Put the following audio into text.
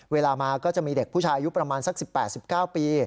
เวลามาก็จะมีเด็กผู้ชายอายุประมาณสัก๑๘๑๙ปี